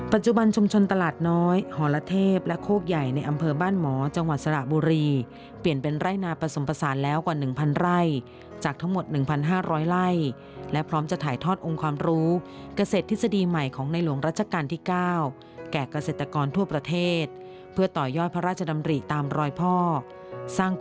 ปัจจุบันชุมชนตลาดน้อยหอละเทพและโคกใหญ่ในอำเภอบ้านหมอจังหวัดสระบุรีเปลี่ยนเป็นไร่นาผสมผสานแล้วกว่า๑๐๐ไร่จากทั้งหมด๑๕๐๐ไร่และพร้อมจะถ่ายทอดองค์ความรู้เกษตรทฤษฎีใหม่ของในหลวงรัชกาลที่๙แก่เกษตรกรทั่วประเทศเพื่อต่อยอดพระราชดำริตามรอยพ่อสร้าง